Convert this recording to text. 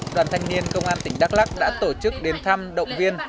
đoàn thanh niên công an tỉnh đắk lắc đã tổ chức đến thăm động viên